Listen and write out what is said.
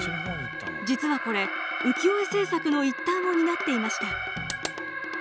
実はこれ浮世絵制作の一端を担っていました。